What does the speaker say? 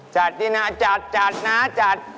จัดนี่นะจัดจัดนะจัด